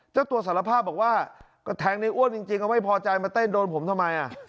เจ้าตัวสารภาพบอกว่าก็แทงในอ้วนจริงเอาไม่พอใจมาเต้นโดนผมทำไม